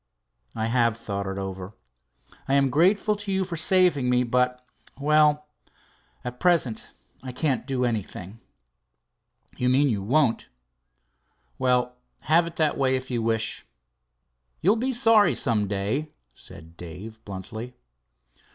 "I have thought it over. I am grateful to you for saving me, but well at present I can't do anything." "You mean, you won't." "Well, have it that way if you wish." "You'll be sorry some day," said Dave, bluntly.